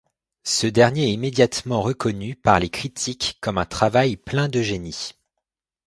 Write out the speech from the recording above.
Ce dernier est immédiatement reconnu par les critiques comme un travail plein de génie.